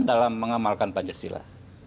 dan dalam mengamalkan pancasila